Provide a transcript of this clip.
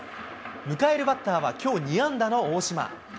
迎えるバッターはきょう２安打の大島。